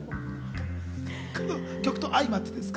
曲と相まってですか？